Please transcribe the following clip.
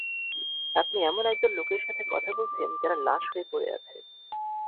আপনি এমন একদল লোকের সাথে কথা বলছেন, যারা লাশ হয়ে পড়ে আছে।